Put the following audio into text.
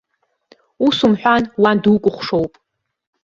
Ус умҳәан, уан дукәыхшоуп.